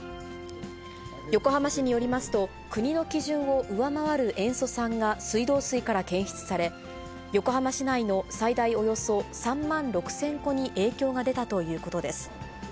横浜市によりますと、国の基準を上回る塩素酸が水道水からけんしゅつされ横浜市内の最大およそ３万６０００戸に影響が出たということです。